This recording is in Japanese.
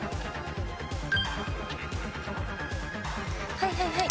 はいはいはい。